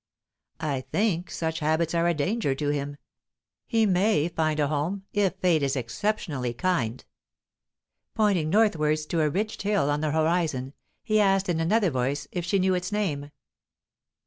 "I think such habits are a danger to him. He may find a home, if fate is exceptionally kind." Pointing northwards to a ridged hill on the horizon, he asked in another voice if she knew its name.